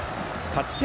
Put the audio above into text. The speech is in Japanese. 勝ち点